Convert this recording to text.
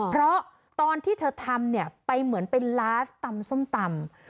เพราะตอนที่เธอทำเนี่ยไปเหมือนเป็นลาสตำส้มตำ